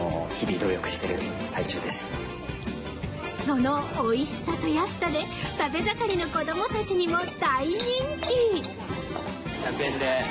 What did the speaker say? その美味しさと安さで食べ盛りの子どもたちにも大人気！